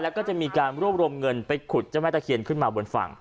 แล้วก็จะมีการรวบรวมเงินไปขุดเจ้าแม่ตะเคียนขึ้นมาบนฝั่ง